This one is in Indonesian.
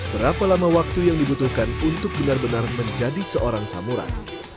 berapa lama waktu yang dibutuhkan untuk benar benar menjadi seorang samurai